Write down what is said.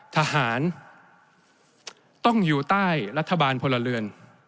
ทหารต้องอยู่ใต้รัฐบาลพลเรือน